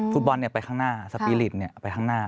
ฟุตบอลไปข้างหน้าสปีริตไปข้างหน้า